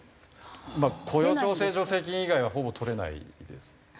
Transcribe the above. まあ雇用調整助成金以外はほぼ取れないです。